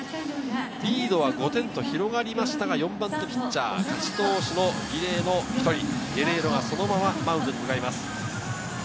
リードは５点と広がりましたが、４番手ピッチャー、勝ち投手リレーの１人、ゲレーロがマウンドに向かいます。